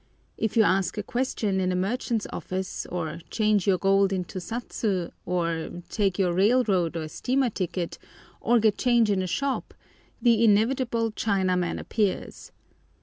If you ask a question in a merchant's office, or change your gold into satsu, or take your railroad or steamer ticket, or get change in a shop, the inevitable Chinaman appears.